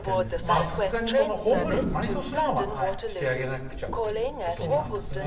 まあさすがにその葬る埋葬するのはしてあげなくちゃということなんですかね。